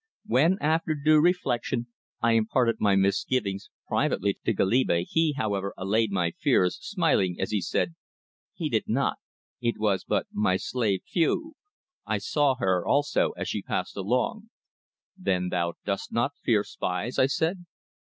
When, after due reflection, I imparted my misgivings privately to Goliba, he, however, allayed my fears, smiling, as he said: "Heed it not. It was but my slave Fiou. I saw her also as she passed along." "Then thou dost not fear spies?" I said.